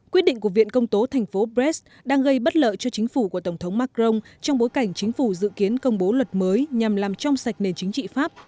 quyết định của viện công tố thành phố brex đang gây bất lợi cho chính phủ của tổng thống macron trong bối cảnh chính phủ dự kiến công bố luật mới nhằm làm trong sạch nền chính trị pháp